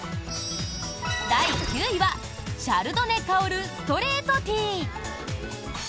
第９位は、シャルドネ香るストレートティー。